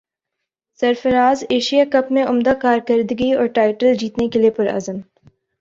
سرفراز Asia cup میں عمدہ کارکردگی اور ٹائٹل جیتنے کیلئے پرعزم